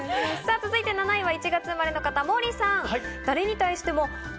続いて７位は１月生まれの方、モーリーさん。